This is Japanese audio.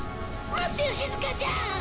「待ってよしずかちゃん！」